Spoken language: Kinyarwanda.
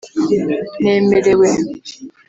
Nemerewe